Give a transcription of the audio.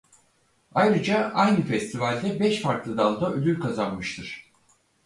Ayrıca aynı festival'de beş farklı dalda ödül kazanmıştır.